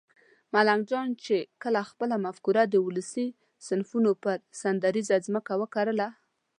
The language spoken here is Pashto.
ملنګ جان چې کله خپله مفکوره د ولسي صنفونو پر سندریزه ځمکه وکرله